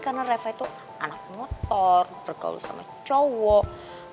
karena reva itu anak motor bergaul sama cowok